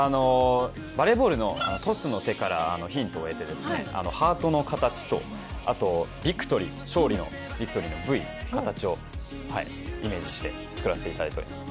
バレーボールのトスの手からヒントを得て、ハートの形と、あと勝利のビクトリーのＶの形をイメージして作らせてもらってます。